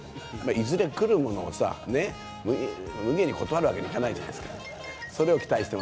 いずれくるものをさ、むげに断るわけにいかないじゃないですか。